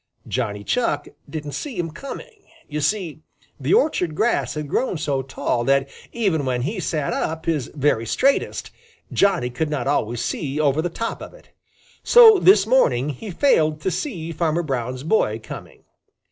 Johnny Chuck did not see him coming. You see, the orchard grass had grown so tall that even when he sat up his very straightest, Johnny could not always see over the top of it. So this morning he failed to see Farmer Brown's boy coming.